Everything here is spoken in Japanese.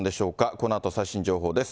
このあと最新情報です。